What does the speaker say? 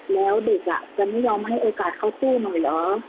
แล้วเด็กจะไม่ยอมให้โอกาสเข้าตู้หน่อยเหรอ